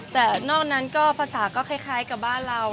แต่นอกนั้นก็ภาษาก็คล้ายกับบ้านเรา